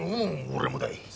俺もだい。